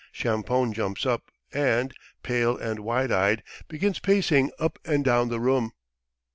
Champoun jumps up and, pale and wide eyed, begins pacing up and down the room.